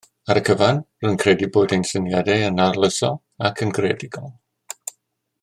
Ar y cyfan rwy'n credu bod ein syniadau yn arloesol ac yn greadigol